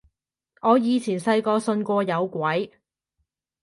我以前細個信過有鬼